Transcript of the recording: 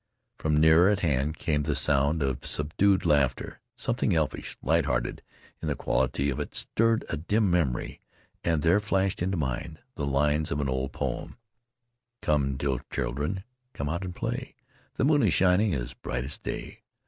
From nearer at hand came the sound of subdued laughter. Something elfish, light hearted in the qual ity of it, stirred a dim memory and there flashed into mind the lines of an old poem: Come, dear children, come out and play. The moon is shining as bright as day.